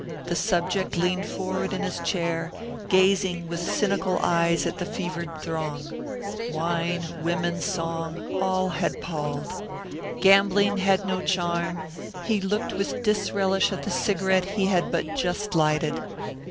The subject leaned forward in his chair, gazing with cynical eyes at the fevered throng. Wine, women, song, all had palled. Gambling had no charm he looked with disrelish at the cigarette he had but just lighted.